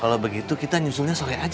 kalau begitu kita nyusulnya sore aja